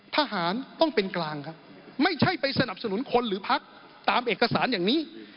ทหารต้องเป็นกลางครับไม่ใช่ไปสนับสนุนคนหรือพักตามเอกสารอย่างนี้